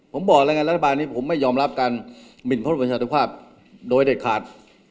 ผมบอกแล้วไงรัฐบาลนี้ผมไม่ยอมรับการหมินเพราะประชาธิภาพโดยเด็ดขาด